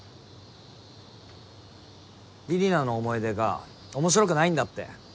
李里奈の思い出が面白くないんだって。